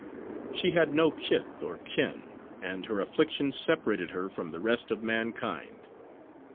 She had no kith nor kin, and her affliction separated her from the rest of mankind.